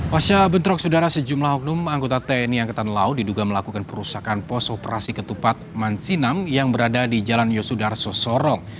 pasya bentrok sudara sejumlah hukum anggota tni angkatan laut diduga melakukan perusakan pos operasi ketupat mansinam yang berada di jalan yosudar sosorong